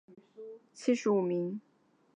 殿试登进士第二甲第七十五名。